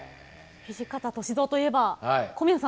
土方歳三といえば小宮さん